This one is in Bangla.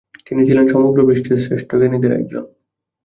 তিনি ছিলেন সমগ্র বিশ্বের শ্রেষ্ঠ জ্ঞানীদের একজন।